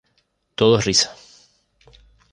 Todo es risa.